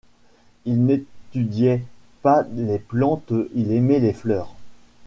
Il n’étudiait pas les plantes ; il aimait les fleurs.